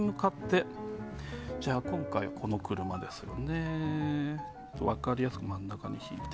これに向かって今回はこの車ですので分かりやすく真ん中に引いて。